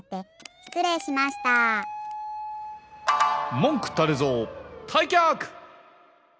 もんくたれぞうたいきゃく！